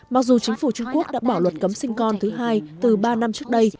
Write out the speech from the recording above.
mặc dù chính phủ trung quốc đã bỏ luật cấm sinh con thứ hai từ ba năm trước đây